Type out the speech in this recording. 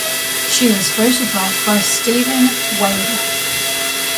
She was photographed by Stephen Wayda.